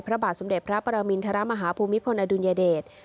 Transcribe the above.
พระบาทสมเด็จพระปรมินทรมาฮาภูมิพลอดุลยเดช